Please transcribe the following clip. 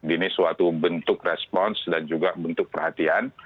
ini suatu bentuk respons dan juga bentuk perhatian